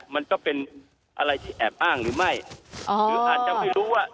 มันก็เป็นอะไรที่แอบอ้างหรือไม่หรืออาจจะไม่รู้ว่า